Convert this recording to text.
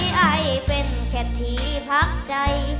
ไม่ให้เป็นแค่ที่พักใจ